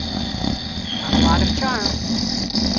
Got a lot of charm.